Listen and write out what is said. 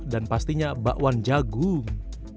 dan pastinya bakwan jagung